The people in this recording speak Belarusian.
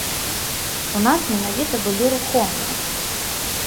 У нас менавіта былі рухомыя.